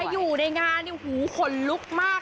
อยู่ในงานขนลุกมาก